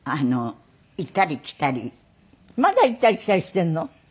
まだ行ったり来たりしているの？